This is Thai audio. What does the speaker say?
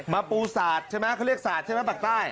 ปูศาสตร์ใช่ไหมเขาเรียกศาสตร์ใช่ไหมปากใต้